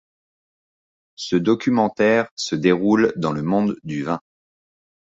Ce documentaire se déroule dans le monde du vin.